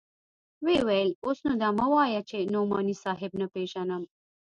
ويې ويل اوس نو دا مه وايه چې نعماني صاحب نه پېژنم.